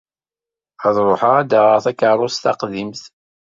Ad ruḥeɣ ad d-aɣeɣ takerrust taqdimt.